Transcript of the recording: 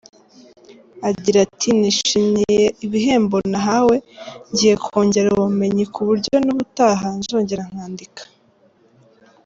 Agira ati “Nishimiye ibihembo nahawe, ngiye kongera ubumenyi ku buryo n’ubutaha, nzongera nkandika”.